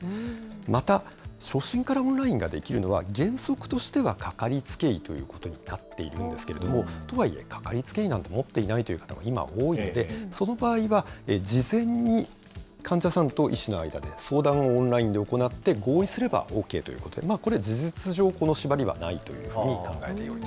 また、初診からオンラインができるのは、原則としては、かかりつけ医ということになっているんですけれども、とはいえ、かかりつけ医なんて持っていないという方が今、多いので、その場合は、事前に患者さんと医師の間で相談をオンラインで行って、合意すればＯＫということで、これ、事実上、この縛りはないというふうに考え